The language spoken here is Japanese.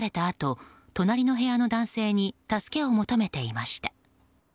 あと隣の部屋の男性に助けを求めていました。